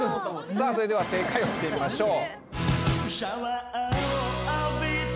さぁそれでは正解を見てみましょう。